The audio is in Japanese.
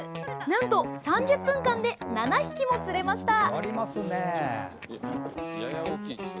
なんと３０分間で７匹も釣れました！